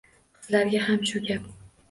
Qizlarga ham shu gap!